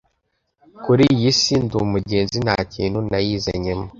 kuri iy si ndi umugenzi, nta kintu nayizanyemo